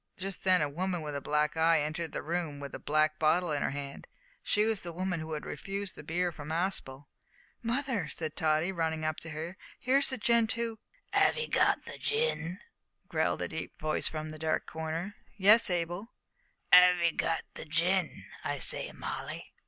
Just then a woman with a black eye entered the room with a black bottle in her hand. She was the woman who had refused the beer from Aspel. "Mother," said Tottie, running up to her, "here's the gent who " "'Av 'ee go' th' gin?" growled a deep voice from the dark corner. "Yes, Abel " "'Ave 'ee got th' gin, I say, Molly?"